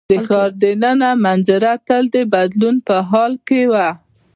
د ښار د ننه منظره تل د بدلون په حال کې وه.